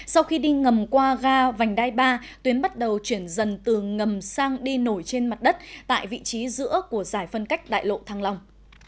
sau khi đi ngầm qua ga vành đai ba tuyến bắt đầu chuyển dần từ ngầm sang đi nổi trên mặt đất tại vị trí giữa của giải phân cách đại lộ thăng long